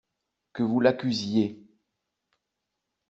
Que vous l'accusiez!